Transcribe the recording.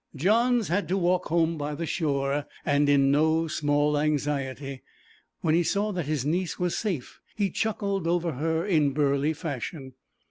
Johns had to walk home by the shore, and in no small anxiety. When he saw that his niece was safe he chuckled over her in burly fashion.